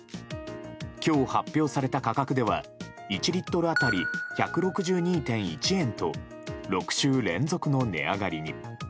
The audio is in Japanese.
今日、発表された価格では１リットル当たり１６２．１円と６週連続の値上がりに。